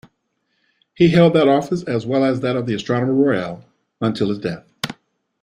He held that office, as well as that of Astronomer Royal, until his death.